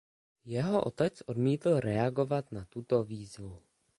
Jeho otec odmítl reagovat na tuto výzvu.